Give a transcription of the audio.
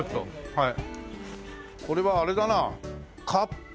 はい。